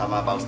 iya pak abel